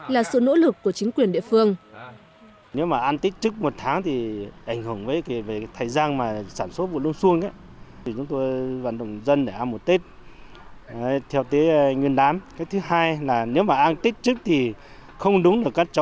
là sự nỗ lực của chính quyền địa phương